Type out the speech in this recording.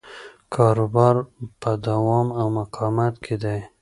کاروبار په دوام او مقاومت کې دی.